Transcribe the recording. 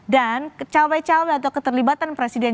dan cewek cewek atau keterlibatan presiden